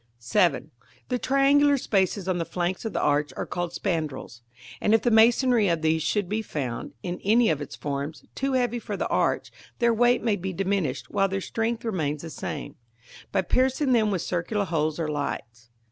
§ VII. The triangular spaces on the flanks of the arch are called Spandrils, and if the masonry of these should be found, in any of its forms, too heavy for the arch, their weight may be diminished, while their strength remains the same, by piercing them with circular holes or lights.